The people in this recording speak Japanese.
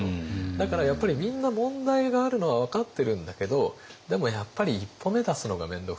だからやっぱりみんな問題があるのは分かってるんだけどでもやっぱり一歩目出すのがめんどくさい。